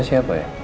ada siapa ya